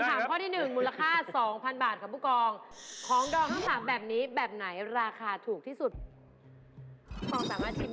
คำถามข้อที่๑มูลคา๒๐๐๐บาทของผู้กอง